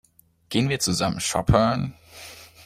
Gehen wir zusammen shoppen?